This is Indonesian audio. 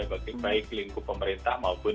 baik lingkup pemerintah maupun